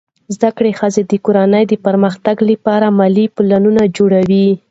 زده کړه ښځه د کورنۍ د پرمختګ لپاره مالي پلان جوړوي.